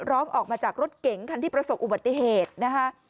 ออกมาจากรถเก๋งคันที่ประสบอุบัติเหตุนะคะ